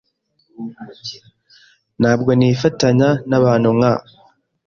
Ntabwo nifatanya nabantu nka